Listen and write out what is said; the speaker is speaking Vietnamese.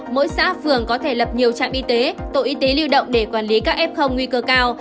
mỗi xã phường có thể lập nhiều trạm y tế tổ y tế lưu động để quản lý các f nguy cơ cao